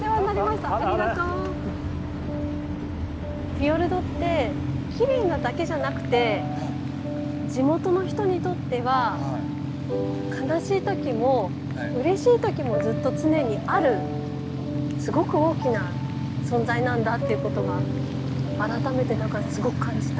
フィヨルドってきれいなだけじゃなくて地元の人にとっては悲しい時もうれしい時もずっと常にあるすごく大きな存在なんだってことが改めてすごく感じた。